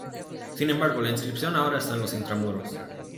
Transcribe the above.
Sin embargo la inscripción ahora está intramuros.